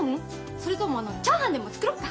それともチャーハンでも作ろっか。